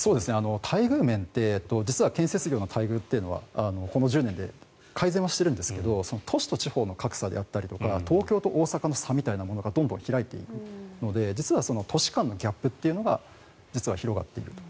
待遇面って実は建設業の待遇というのはこの１０年で改善はしているんですが都市と地方の格差であったりとか東京と大阪の差みたいなものがどんどん開いているので実は、都市間のギャップというのが実は広がっていると。